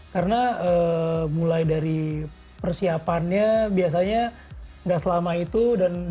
karena mulai dari persiapannya biasanya gak selama itu dan